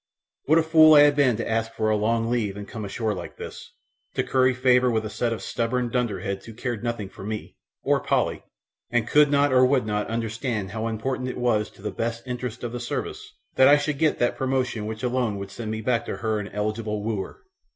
What a fool I had been to ask for long leave and come ashore like this, to curry favour with a set of stubborn dunderheads who cared nothing for me or Polly, and could not or would not understand how important it was to the best interests of the Service that I should get that promotion which alone would send me back to her an eligible wooer!